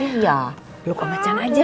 iya lu kemacan aja